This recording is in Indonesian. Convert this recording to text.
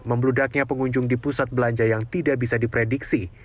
membludaknya pengunjung di pusat belanja yang tidak bisa diprediksi